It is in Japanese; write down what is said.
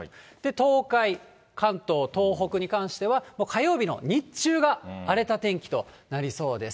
東海、関東、東北に関しては、火曜日の日中が荒れた天気となりそうです。